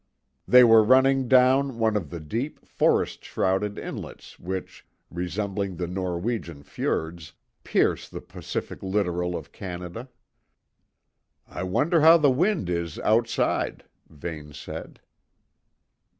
They were running down one of the deep, forest shrouded inlets which, resembling the Norwegian fiords, pierce the Pacific littoral of Canada. "I wonder how the wind is outside," Vane said.